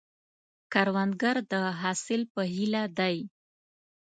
کروندګر د حاصل په هیله دی